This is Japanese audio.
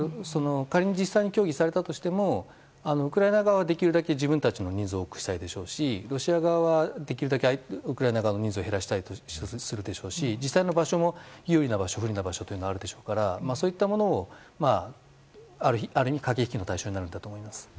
仮に実際に協議されたとしてもウクライナ側はできるだけ自分たちの人数を多くしたいでしょうしロシア側はできるだけ、ウクライナ側の人数を減らしたいでしょうし実際の場所も有利な場所不利な場所があるでしょうからそういったものがある意味駆け引きの対象になるんだと思います。